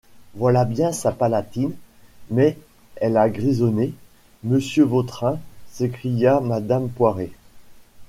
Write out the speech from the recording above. Voilà bien sa palatine ; mais elle a grisonné, monsieur Vautrin, s’écria madame Poiret.